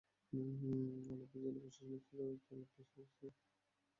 আলেপ্পি জেলার প্রশাসনিক সদর দপ্তর আলেপ্পি শহরে অবস্থিত।